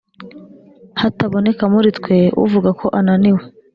hataboneka muri twe uvuga ko ananiwe!